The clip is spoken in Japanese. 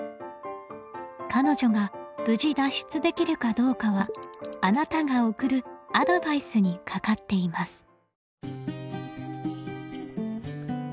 彼女が無事脱出できるかどうかはあなたが送るアドバイスにかかっています。